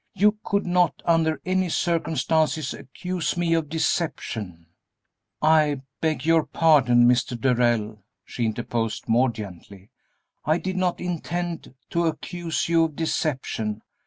You could not, under any circumstances, accuse me of deception " "I beg your pardon, Mr. Darrell," she interposed, more gently; "I did not intend to accuse you of deception.